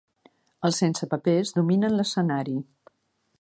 Els sense papers dominen l'escenari.